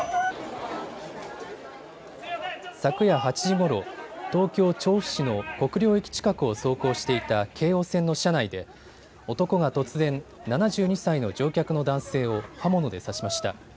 昨夜８時ごろ、東京調布市の国領駅近くを走行していた京王線の車内で男が突然、７２歳の乗客の男性を刃物で刺しました。